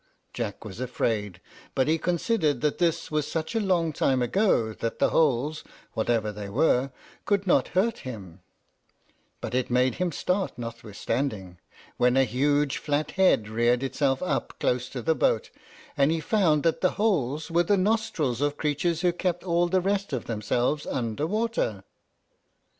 Jack was afraid, but he considered that this was such a long time ago that the holes, whatever they were, could not hurt him; but it made him start, notwithstanding, when a huge flat head reared itself up close to the boat, and he found that the holes were the nostrils of creatures who kept all the rest of themselves under water.